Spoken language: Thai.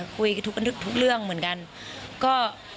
คุยทุกเรื่องเหมือนกันก็